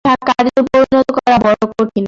ইহা কার্যে পরিণত করা বড় কঠিন।